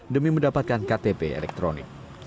demi mendapatkan ktp elektronik